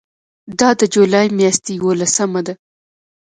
دا د جولای میاشتې یوولسمه ده.